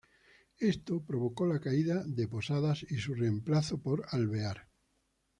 Esto provocó la caída de Posadas y su reemplazo por Alvear.